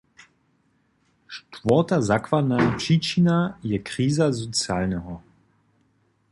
Štwórta zakładna přičina je kriza socialneho.